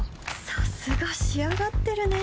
さすが仕上がってるね